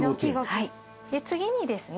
次にですね